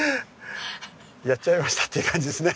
やっちゃいましたっていう感じですね。